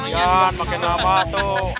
ya makin apa tuh